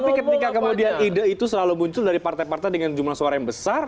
tapi ketika kemudian ide itu selalu muncul dari partai partai dengan jumlah suara yang besar